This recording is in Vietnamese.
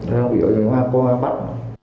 rồi không bị vụ trộm cắp bắt